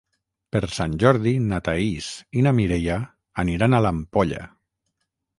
Per Sant Jordi na Thaís i na Mireia aniran a l'Ampolla.